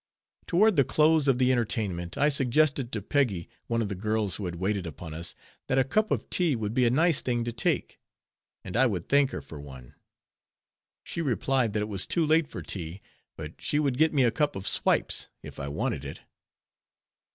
Toward the close of the entertainment, I suggested to Peggy, one of the girls who had waited upon us, that a cup of tea would be a nice thing to take; and I would thank her for one. She replied that it was too late for tea; but she would get me a cup of "swipes" if I wanted it.